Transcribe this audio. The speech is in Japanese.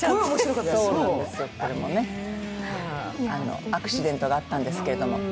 これもアクシデントがあったんですけど。